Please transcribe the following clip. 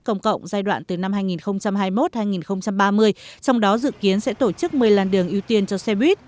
công cộng giai đoạn từ năm hai nghìn hai mươi một hai nghìn ba mươi trong đó dự kiến sẽ tổ chức một mươi làn đường ưu tiên cho xe buýt